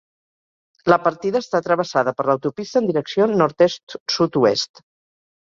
La partida està travessada per l'autopista en direcció nord-est sud-oest.